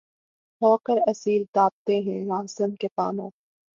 ہو کر اسیر‘ دابتے ہیں‘ راہزن کے پانو